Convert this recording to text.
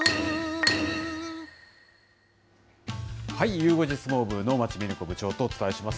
ゆう５時相撲部、能町みね子部長とお伝えします。